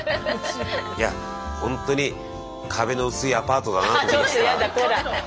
いやほんとに壁の薄いアパートだなと思いました。